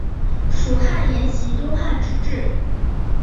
蜀汉沿袭东汉之制。